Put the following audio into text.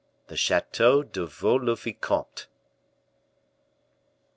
The Chateau de Vaux le Vicomte.